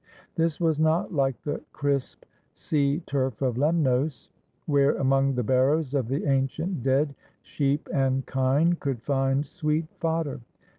This was not like the crisp sea turf of Lemnos, where among the barrows of the ancient dead, sheep and kine could find sweet fodder.